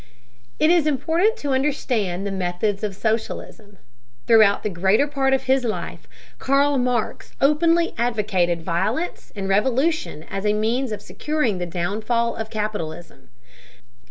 It is important to understand the methods of socialism. Throughout the greater part of his life, Karl Marx openly advocated violence and revolution as a means of securing the downfall of capitalism.